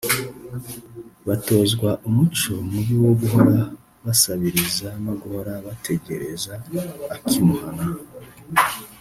batozwa umuco mubi wo guhora basabiriza no guhora bategereza ak’ i Muhana